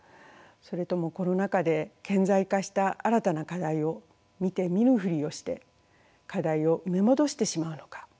それともコロナ禍で顕在化した新たな課題を見て見ぬふりをして課題を埋め戻してしまうのか。